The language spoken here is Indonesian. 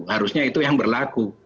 harusnya itu yang berlaku